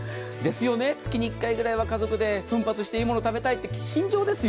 月に１回ぐらいは家族で奮発していいもの食べたいですよ。